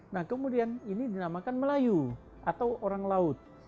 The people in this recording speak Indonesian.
nah kemudian ini dinamakan melayu atau orang laut